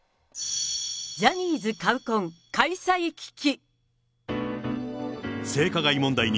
ジャニーズカウコン開催危機。